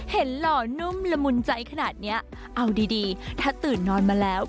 หล่อนุ่มละมุนใจขนาดนี้เอาดีดีถ้าตื่นนอนมาแล้ว